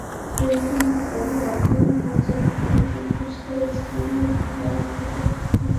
শেষ দিন বিকেলে আখেরি মোনাজাত করবেন কুষ্টিয়ার ইসলামী বিশ্ববিদ্যালয়ের অধ্যাপক হাফিজা নাসির।